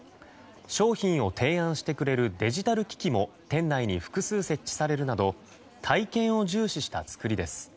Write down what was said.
商品を提案してくれるデジタル機器も店内に複数設置されるなど体験を重視したつくりです。